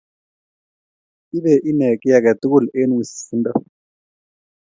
Ibe ine kie tugul eng wisisindo